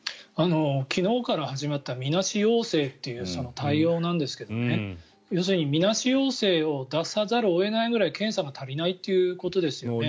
昨日から始まったみなし陽性という対応なんですが要するにみなし陽性を出さざるを得ないぐらい検査が足りないということですよね。